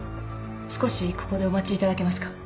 少しここでお待ちいただけますか？